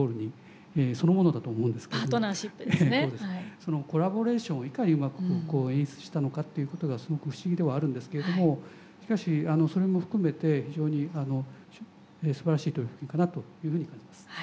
そのコラボレーションをいかにうまく演出したのかっていうことがすごく不思議ではあるんですけれどもしかしそれも含めて非常にすばらしい取り組みかなというふうに感じます。